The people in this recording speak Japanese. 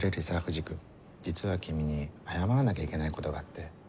藤君実は君に謝らなきゃいけないことがあって。